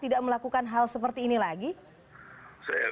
tidak melakukan hal seperti ini lagi